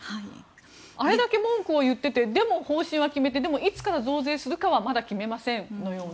あれだけ文句を言っていてでも、方針は決めてでも、いつから増税するかはまだ決めませんというような。